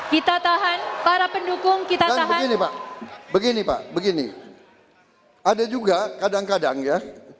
kita tahan para pendukung kita kan begini pak begini pak begini ada juga kadang kadang ya